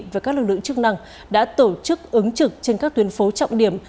và các lực lượng chức năng đã tổ chức ứng trực trên các tuyến phố trọng điểm